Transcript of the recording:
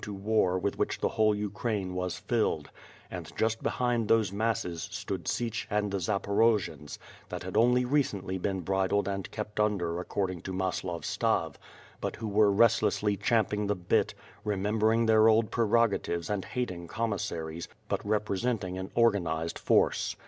29 to war with which the whole Ukraine was filled, and just be hind these masses stood Sich and the Zaporojians, that had only recently been bridled and kept under according to MasloY Stav, but who were restlessly champing the bit, re membering their old prerogatives and hating commissaries, but representing an organized force.